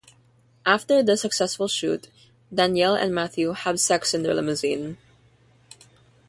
After the successful shoot, Danielle and Matthew have sex in their limousine.